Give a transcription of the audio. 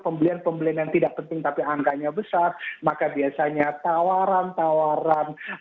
pembelian pembelian yang tidak penting tapi angkanya besar maka biasanya tawaran tawaran